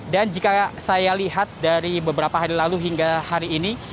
dan jika saya lihat dari beberapa hari lalu hingga hari ini